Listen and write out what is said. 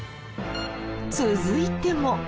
続いても。